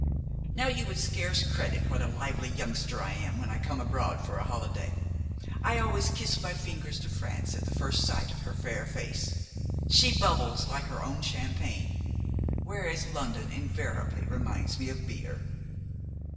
Now, you would scarce credit what a lively youngster I am when I come abroad for a holiday. I always kiss my fingers to France at the first sight of her fair face. She bubbles like her own champagne, whereas London invariably reminds me of beer."